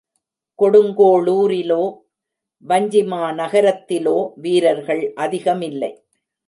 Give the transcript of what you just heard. கொடுங்கோளூரிலோ வஞ்சிமா நகரத்திலோ வீரர்கள் அதிகமில்லை.